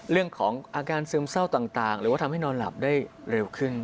เรื่องของอาการซึมเศร้าต่างหรือว่าทำให้นอนหลับได้เร็วขึ้น